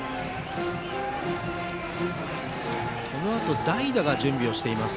このあと代打が準備しています。